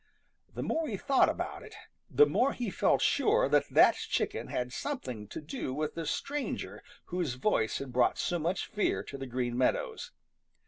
The more he thought about it, the more he felt sure that that chicken had something to do with the stranger whose voice had brought so much fear to the Green Meadows.